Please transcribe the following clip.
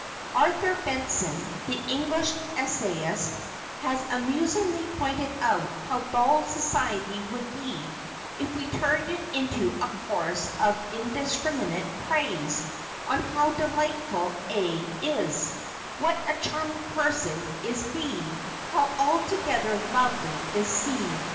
Arthur Benson, the English essayist, has amusingly pointed out how dull society would be if we turned it into a chorus of indiscriminate praise of how delightful A is, what a charming person is B, how altogether lovely is C.